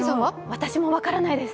私も分からないです。